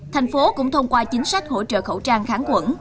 thành phố cũng thông qua chính sách hỗ trợ khẩu trang kháng khuẩn